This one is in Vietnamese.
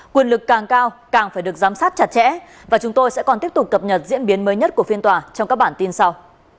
quyền lực càng cao càng phải được giám sát chặt chẽ và chúng tôi sẽ còn tiếp tục cập nhật diễn biến mới nhất của phiên tòa trong các bản tin sau